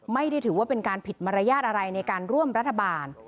ไม่ได้ถือว่าเป็นการผิดมารยาทอะไรในการร่วมรัฐบาล